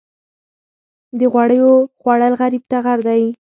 د غوړیو خوړل غریب ته غر دي.